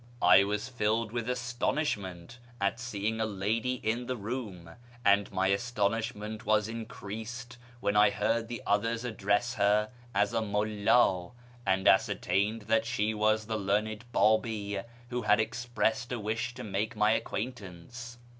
I was filled with astonishment at seeing a lady in the room, and my astonishment was increased when I heard the others address her as " Mulhi," and ascertained that she was the learned Babi who had expressed a wisli to make my acquaintance.